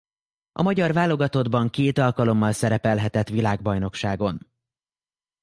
A magyar válogatottban két alkalommal szerepelhetett világbajnokságon.